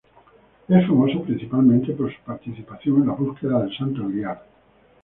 Es famoso principalmente por su participación en la búsqueda del Santo Grial.